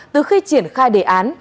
từ khi triển khai đề án